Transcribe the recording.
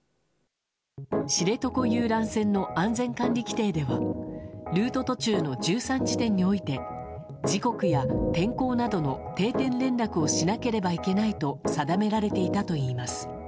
知床遊覧船の安全管理規程ではルート途中の１３地点において時刻や天候などの定点連絡をしなければいけないと定められていたといいます。